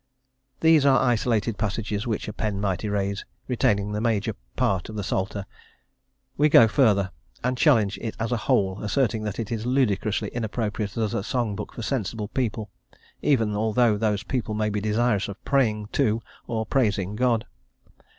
These are isolated passages, which a pen might erase, retaining the major part of the Psalter: we go further, and challenge it as a whole, asserting that it is ludicrously inappropriate as a song book for sensible people, even although those people may be desirous of praying to, or praising God.